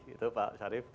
itu pak syarif